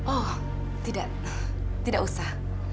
oh tidak tidak usah